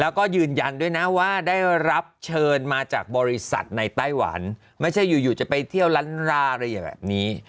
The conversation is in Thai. แล้วก็ยืนยันด้วยนะว่าได้รับเชิญมาจากบริษัทในไต้หวันไม่ใช่อยู่จะไปเที่ยวล้านราอะไรอย่างนี้